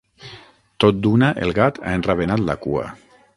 Tot d'una, el gat ha enravenat la cua.